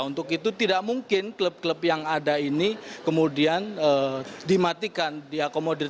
untuk itu tidak mungkin klub klub yang ada ini kemudian dimatikan diakomodir